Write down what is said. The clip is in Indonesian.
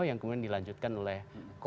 yang kemudian dilanjutkan oleh